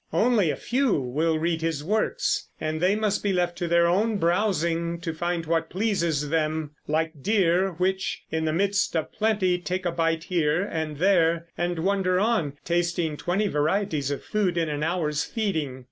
Only a few will read his works, and they must be left to their own browsing, to find what pleases them, like deer which, in the midst of plenty, take a bite here and there and wander on, tasting twenty varieties of food in an hour's feeding.